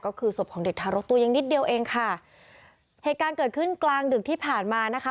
ก็คือศพของเด็กทารกตัวยังนิดเดียวเองค่ะเหตุการณ์เกิดขึ้นกลางดึกที่ผ่านมานะคะ